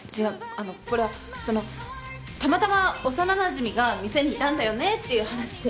あのこれはそのたまたま幼なじみが店にいたんだよねっていう話で。